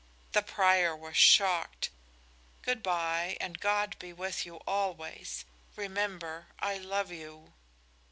"The prior was shocked. Good by, and God be with you always. Remember, I love you!"